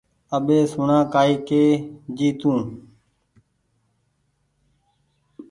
اٻي سوڻا ڪآئي ڪي جي تو